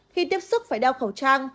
khi tiếp xúc phải đeo khẩu trang